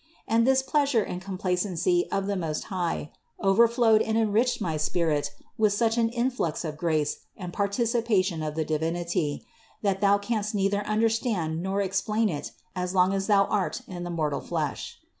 And this pleasure and complacency of the Most High overflowed and enriched my spirit with such an influx of grace and participation of the Divinity, that thou canst neither understand nor explain it as long as thou art in the mortal flesh.